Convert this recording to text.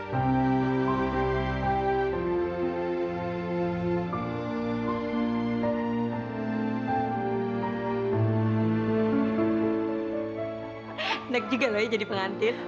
hai anak juga loh jadi pengantin